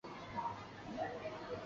无法防范浏览器首页绑架。